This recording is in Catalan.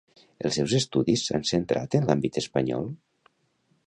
Els seus estudis s'han centrat en l'àmbit espanyol?